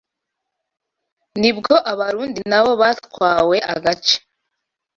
nibwo Abarundi nabo batwawe agace